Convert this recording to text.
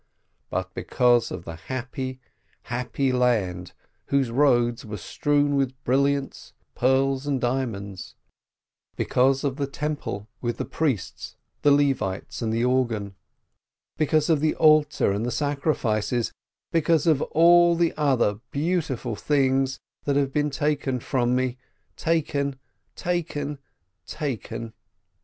But because of the happy, happy land whose roads were strewn with brilliants, pearls, and diamonds; because of the temple with the priests, the Levites, and the organ; because of the altar and the sacrifices; because of all the other beautiful things that have been taken from me, taken, taken, taken